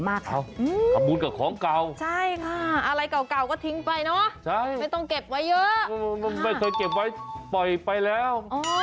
ไม่เคยเก็บไว้ปล่อยไปแล้ว